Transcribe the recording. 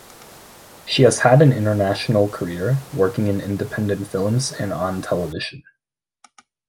She has had an international career, working in independent films and on television.